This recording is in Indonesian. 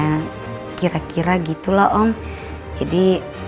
ya kira kira gitu lah om jadi